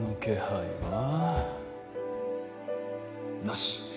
なし。